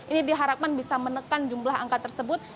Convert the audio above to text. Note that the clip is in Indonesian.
ini diharapkan bisa menekan jumlah angka tersebut